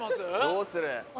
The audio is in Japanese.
どうする？